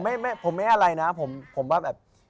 ไม่ผมไม่อะไรนะผมว่าแบบ